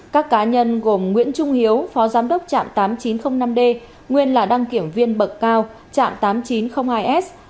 các cá nhân gồm nguyễn trung hiếu phó giám đốc trạm tám nghìn chín trăm linh năm d nguyên là đăng kiểm viên bậc cao trạm tám nghìn chín trăm linh hai s